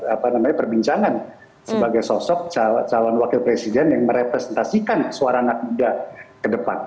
apa namanya perbincangan sebagai sosok calon wakil presiden yang merepresentasikan suara anak muda ke depan